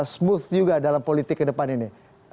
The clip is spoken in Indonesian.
smooth juga dalam politik ke depan ini